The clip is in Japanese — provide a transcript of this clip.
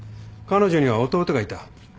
彼女には弟がいた。